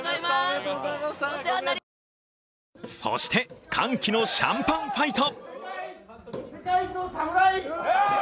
そして、歓喜のシャンパンファイト！